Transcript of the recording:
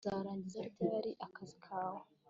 Uzarangiza ryari akazi kawe